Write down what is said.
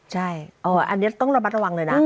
ใช่อันนี้ต้องระวังเลยนะ